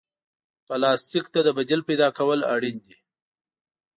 پلاستيک ته د بدیل پیدا کول اړین دي.